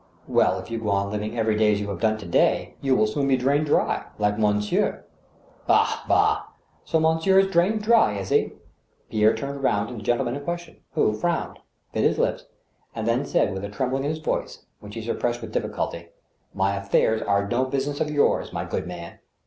Well, if you go on living every day as you have done to day, you will soon be drained dry, ... like monsieur." " Ah, bah ! so monsieur is drained dry. is he ?" Pierre turned round to the gentleman in question, who frowned, bit his lips, and then said with a trembling in his voice, which he suppressed with difl&culty :" My affairs are no business of yours, my good man."